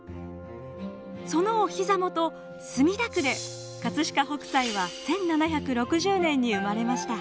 そのお膝元墨田区で飾北斎は１７６０年に生まれました。